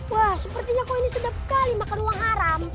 wah sepertinya kau ini sudah sekali makan uang haram